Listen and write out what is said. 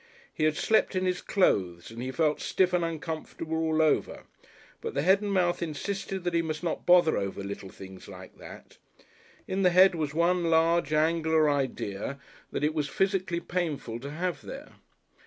He had slept in his clothes and he felt stiff and uncomfortable all over, but the head and mouth insisted that he must not bother over little things like that. In the head was one large, angular idea that it was physically painful to have there.